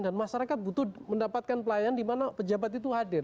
dan masyarakat butuh mendapatkan pelayanan di mana pejabat itu hadir